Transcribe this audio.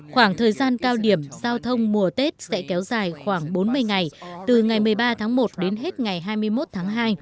khoảng thời gian cao điểm giao thông mùa tết sẽ kéo dài khoảng bốn mươi ngày từ ngày một mươi ba tháng một đến hết ngày hai mươi một tháng hai